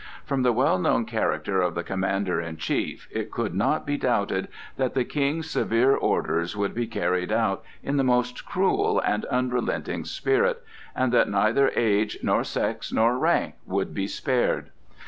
From the well known character of the commander in chief it could not be doubted that the King's severe orders would be carried out in the most cruel and unrelenting spirit, and that neither age nor sex nor rank would be spared.